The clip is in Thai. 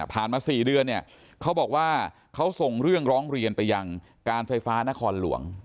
มา๔เดือนเนี่ยเขาบอกว่าเขาส่งเรื่องร้องเรียนไปยังการไฟฟ้านครหลวง